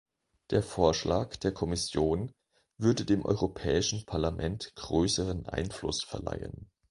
Der Vorschlag der Kommission würde dem Europäischen Parlament größeren Einfluss verleihen.